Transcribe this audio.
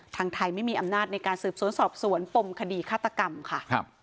ทางไทยไม่มีอำนาจในการสืบสวนสอบสวนปมคดีฆาตกรรมค่ะ